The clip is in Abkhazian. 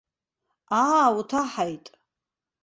Аа уҭаҳаит.